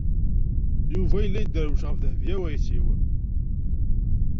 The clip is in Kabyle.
Yuba yella yedderwec ɣef Dehbiya u Ɛisiw.